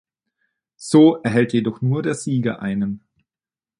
So erhält jedoch nur der Sieger einen.